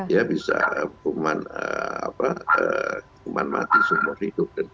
ya bisa hukuman mati seumur hidup